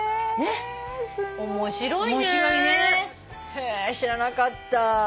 へぇ知らなかった。